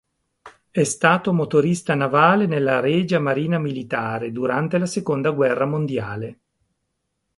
È stato motorista navale nella Regia Marina Militare, durante la Seconda Guerra Mondiale.